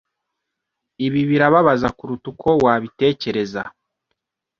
Ibi birababaza kuruta uko wabitekereza.